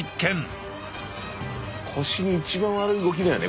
腰に一番悪い動きだよね